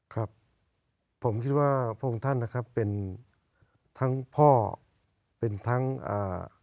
ครับผมคิดว่าพระองค์ท่านนะครับเป็นทั้งพ่อเป็นทั้งอ่า